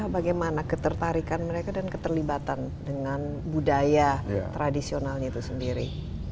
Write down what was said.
bagaimana ketertarikan mereka dan keterlibatan dengan budaya tradisionalnya itu sendiri